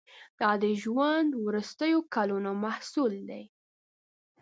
دا د ده ژوند وروستیو کلونو محصول دی.